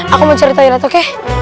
aku mau cari tairat oke